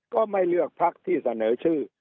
ก็ไม่เลือกพักที่เสนอชื่อ